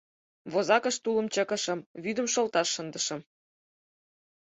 Возакыш тулым чыкышым, вӱдым шолташ шындышым.